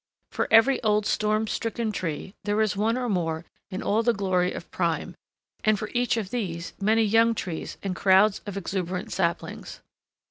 For every old storm stricken tree, there is one or more in all the glory of prime; and for each of these many young trees and crowds of exuberant saplings.